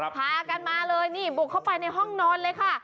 พากันมาเลยนี่บุกเข้าไปในห้องนอนเลยค่ะ